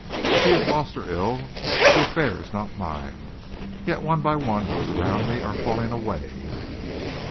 If he is lost or ill, the affair is not mine. Yet one by one those around me are falling away.